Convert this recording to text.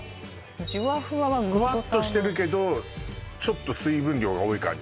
「じゅわふわ」はふわっとしてるけどちょっと水分量が多い感じ？